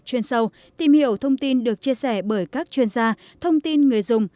chuyên sâu tìm hiểu thông tin được chia sẻ bởi các chuyên gia thông tin người dùng